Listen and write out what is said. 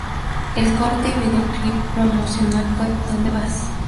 El corte y videoclip promocional fue "Donde vas".